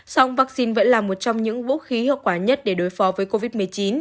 song vaccine vẫn là một trong những vũ khí hiệu quả nhất để đối phó với covid một mươi chín